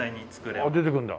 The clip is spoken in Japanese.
ああ出てくるんだ。